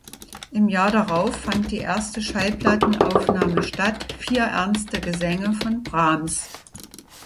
Im Jahr darauf fand die erste Schallplattenaufnahme statt: "Vier ernste Gesänge" von Brahms.